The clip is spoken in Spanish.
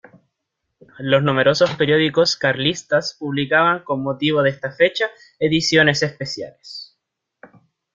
Los numerosos periódicos carlistas publicaban, con motivo de esta fecha, ediciones especiales.